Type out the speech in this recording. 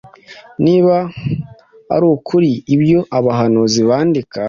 Niba arukuri Ibyo Abahanuzi bandika